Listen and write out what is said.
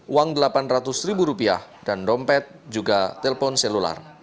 uang delapan ratus ribu rupiah dan dompet juga telpon selular